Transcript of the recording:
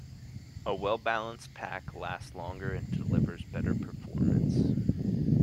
A well-balanced pack lasts longer and delivers better performance.